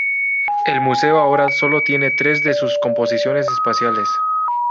El museo ahora solo tiene tres de sus composiciones espaciales.